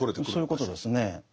そういうことですね。